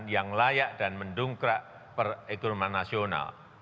yang layak dan mendongkrak perekonomian nasional